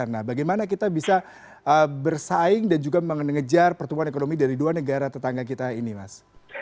nah bagaimana kita bisa bersaing dan juga mengejar pertumbuhan ekonomi dari dua negara tetangga kita ini mas